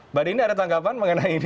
mbak dinda ada tanggapan mengenai ini